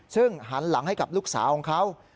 ซึ่งหันหลังให้กับลูกสาวของเขา